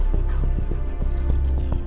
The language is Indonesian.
aku mau main ke rumah intan